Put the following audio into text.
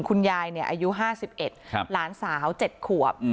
คุณยายเนี่ยอายุ๕๑ล้านสาว๗ขวบ